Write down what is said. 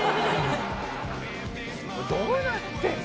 どうなってるの？